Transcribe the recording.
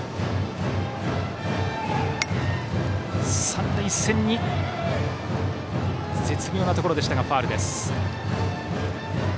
三塁線に絶妙なところでしたがファウルです。